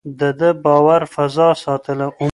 ده د باور فضا ساتله.